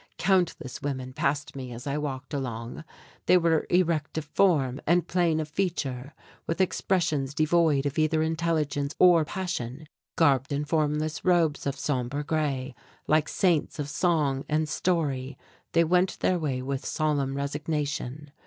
Countless women passed me as I walked along. They were erect of form and plain of feature, with expressions devoid of either intelligence or passion. Garbed in formless robes of sombre grey, like saints of song and story, they went their way with solemn resignation.